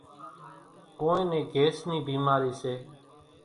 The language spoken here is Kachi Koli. ڪونئين نين گھيس نِي ڀِيمارِي سي۔